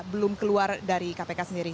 belum keluar dari kpk sendiri